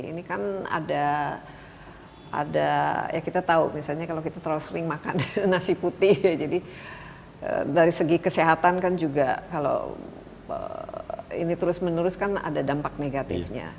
ini kan ada ya kita tahu misalnya kalau kita terlalu sering makan nasi putih jadi dari segi kesehatan kan juga kalau ini terus menerus kan ada dampak negatifnya